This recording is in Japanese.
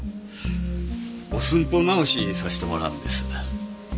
お寸法直しさせてもらうんです。